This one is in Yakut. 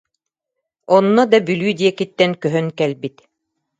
Онно да Бүлүү диэкиттэн көһөн кэлбит